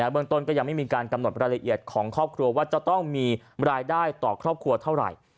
เบื้องต้นก็ยังไม่มีการกำหนดรายละเอียดของครอบครัวว่าจะต้องมีรายได้ต่อครอบครัวเท่าไหร่